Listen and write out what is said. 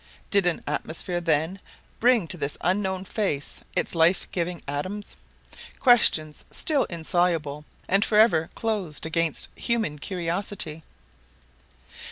Did an atmosphere, then, bring to this unknown face its life giving atoms? Questions still insoluble, and forever closed against human curiousity!